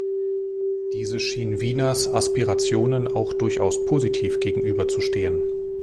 Diese schien Wieners Aspirationen auch durchaus positiv gegenüberzustehen.